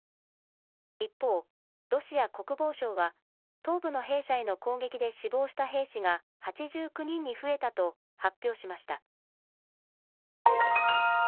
一方、ロシア国防省は東部の兵舎への攻撃で死亡した兵士が８９人に増えたと発表しました。